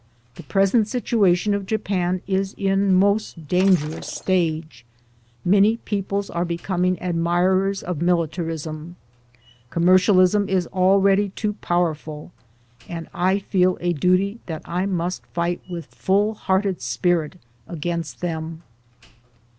The present situation of Japan is in most dangerous step [stage] ; many peoples are becoming admirers of militarism. Commercialism is already too powerful ; and I feel a duty that I must fight with full hearted spirit against them."